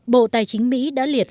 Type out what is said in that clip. bộ tài chính mỹ đã liệt